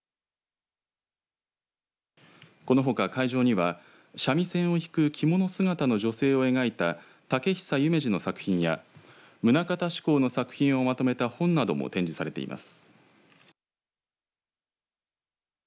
このほか会場には三味線を弾く着物姿の女性を描いた竹久夢二の作品や棟方志功の作品をまとめた本なども展示されています。